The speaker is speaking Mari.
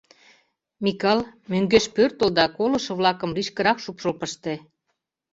Микал, мӧҥгеш пӧртыл да колышо-влакым лишкырак шупшыл пыште.